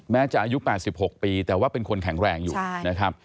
แม้จะอายุ๘๖ปีแต่ว่าเป็นคนแข็งแรงอยู่นะครับ